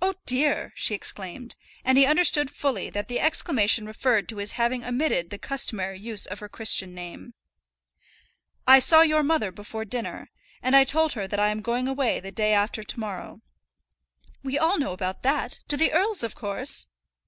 "Oh, dear!" she exclaimed, and he understood fully that the exclamation referred to his having omitted the customary use of her Christian name. "I saw your mother before dinner, and I told her that I am going away the day after to morrow." "We all know about that; to the earl's, of course!"